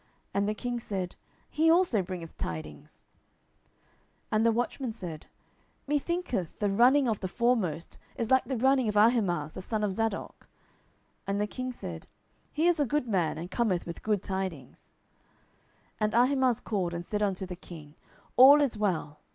And the king said, He also bringeth tidings. 10:018:027 And the watchman said, Me thinketh the running of the foremost is like the running of Ahimaaz the son of Zadok. And the king said, He is a good man, and cometh with good tidings. 10:018:028 And Ahimaaz called, and said unto the king, All is well.